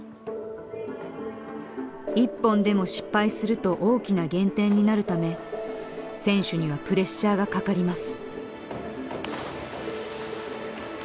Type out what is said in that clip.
一本でも失敗すると大きな減点になるため選手にはプレッシャーがかかります。